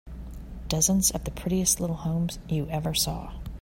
Dozens of the prettiest little homes you ever saw.